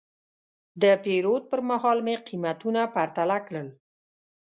د پیرود پر مهال مې قیمتونه پرتله کړل.